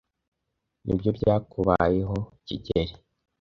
Nibyo byakubayeho, kigeli?